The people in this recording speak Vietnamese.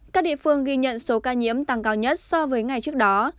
các địa phương ghi nhận số ca nhiễm tăng cao nhất so với ngày trước đó